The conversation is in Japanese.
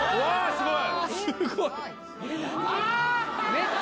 すごい！